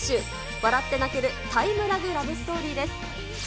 笑って泣けるタイムラグラブストーリーです。